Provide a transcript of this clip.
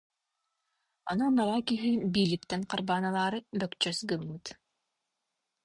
Ону анараа киһи биилиттэн харбаан ылаары бөкчөс гыммыт